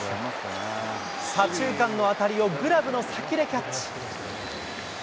左中間の当たりをグラブの先でキャッチ。